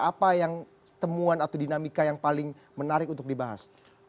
apa yang temuan atau dinamika yang paling menarik untuk dibahas